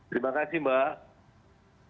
terima kasih mbak